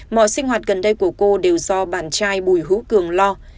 mọi sinh hoạt gần đây của cô đều do bạn trai bùi hữu cường lo